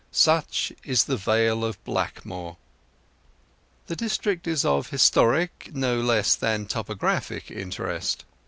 Such is the Vale of Blackmoor. The district is of historic, no less than of topographical interest.